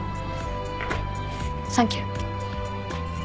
サンキュー。